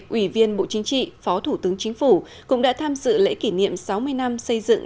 ủy viên bộ chính trị phó thủ tướng chính phủ cũng đã tham dự lễ kỷ niệm sáu mươi năm xây dựng